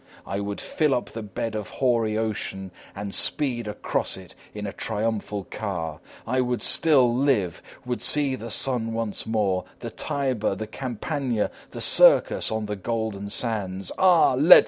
I would fill up the bed of hoary ocean and speed across it in a triumphal car. I would still live would see the sun once more, the Tiber, the Campagna, the Circus on the golden sands. Ah!